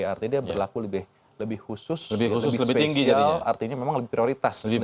artinya dia berlaku lebih khusus lebih spesial artinya memang lebih prioritas